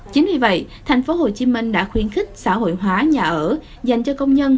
chính vì vậy tp hcm đã khuyến khích xã hội hóa nhà ở dành cho công nhân